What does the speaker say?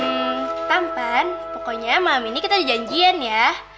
hmm tampan pokoknya malam ini kita dijanjikan ya